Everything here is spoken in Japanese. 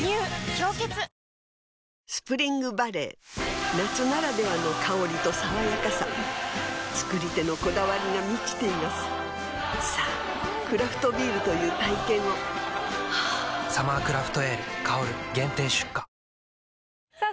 「氷結」スプリングバレー夏ならではの香りと爽やかさ造り手のこだわりが満ちていますさぁクラフトビールという体験を「サマークラフトエール香」限定出荷さあ